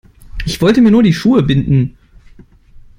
Ich wollte mir nur die Schuhe binden.